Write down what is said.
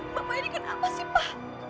bapak ini kenapa sih pak